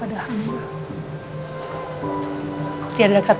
di sisi allah swt